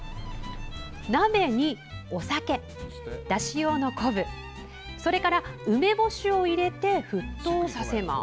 鍋に、お酒、だし用の昆布それから梅干しを入れて沸騰させます。